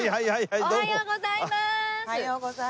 おはようございます。